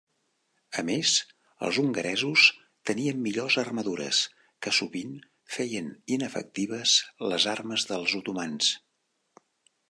A més, els hongaresos tenien millors armadures, que sovint feien inefectives les armes dels otomans.